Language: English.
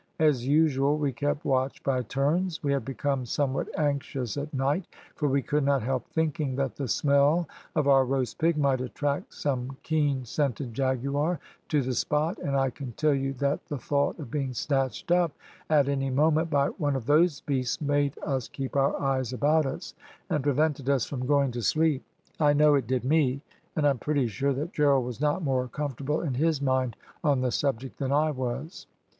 As usual, we kept watch by turns: we had become somewhat anxious at night, for we could not help thinking that the smell of our roast pig might attract some keen scented jaguar to the spot, and I can tell you that the thought of being snatched up at any moment by one of those beasts made us keep our eyes about us, and prevented us from going to sleep. I know it did me, and I am pretty sure that Gerald was not more comfortable in his mind on the subject than I was.